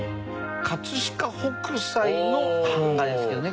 飾北斎の版画ですけどね